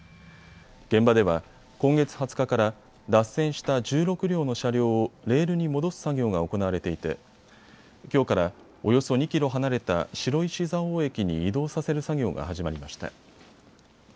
現場では今月２０日から脱線した１６両の車両をレールに戻す作業が行われていてきょうから、およそ２キロ離れた白石蔵王駅に移動させる作業が始まりました。